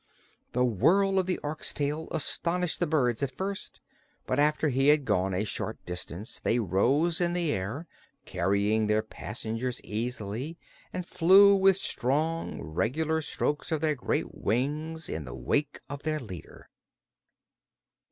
The whirl of the Ork's tail astonished the birds at first, but after he had gone a short distance they rose in the air, carrying their passengers easily, and flew with strong, regular strokes of their great wings in the wake of their leader.